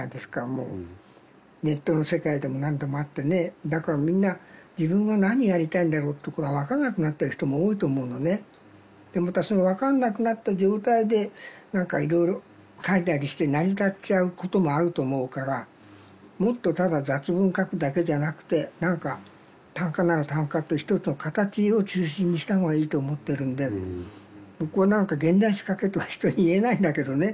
もうネットの世界でも何でもあってねだからみんな自分は何やりたいんだろうとかが分からなくなってる人も多いと思うのねでまたその分かんなくなった状態で何かいろいろ書いたりして成り立っちゃうこともあると思うからもっとただ雑文書くだけじゃなくて何か短歌なら短歌って一つの形を中心にしたほうがいいと思ってるんで僕は現代詩書けとは人に言えないんだけどね